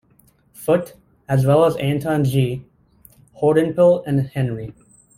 Foote, as well as Anton G. Hodenpyl and Henry.